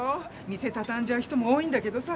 店たたんじゃう人も多いんだけどさ